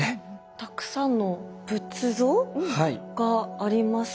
たくさんの仏像がありますね。